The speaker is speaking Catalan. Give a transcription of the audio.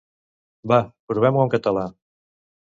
Va, provem-ho en català!